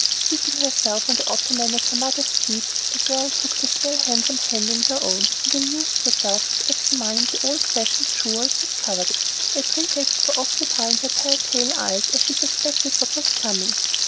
Seating herself on the ottoman at her mother's feet, the girl took the still handsome hand in her own and amused herself with examining the old fashioned jewels that covered it, a pretext for occupying her telltale eyes, as she suspected what was coming.